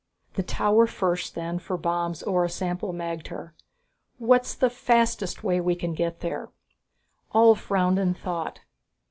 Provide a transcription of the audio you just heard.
"The tower first then, for bombs or a sample magter. What's the fastest way we can get there?" Ulv frowned in thought.